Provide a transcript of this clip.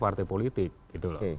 nah itu harus disetujui oleh dpr